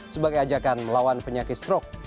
sebagai ajakan melawan penyakit strok